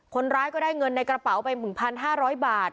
คนร้ายก็ได้เงินในกระเป๋าไป๑๕๐๐บาท